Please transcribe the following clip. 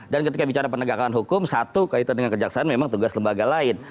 dan ketika bicara penegakan hukum satu kaitan dengan kerja kesehatan memang tugas lembaga lain